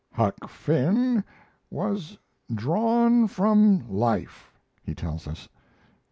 "Huck Finn was drawn from life," he tells us.